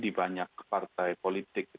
di banyak partai politik